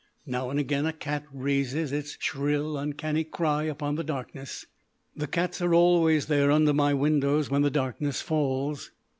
Now and again a cat raises its shrill, uncanny cry upon the darkness. The cats are always there under my windows when the darkness falls.